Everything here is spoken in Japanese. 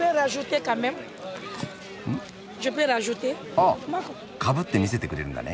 あっかぶって見せてくれるんだね。